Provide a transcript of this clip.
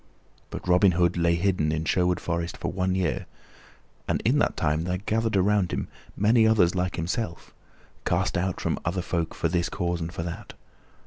But Robin Hood lay hidden in Sherwood Forest for one year, and in that time there gathered around him many others like himself, cast out from other folk for this cause and for that.